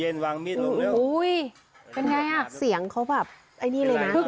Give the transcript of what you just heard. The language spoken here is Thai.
เป็นไงอะเสียงเค้าแบบไอ้นี่เลยนะ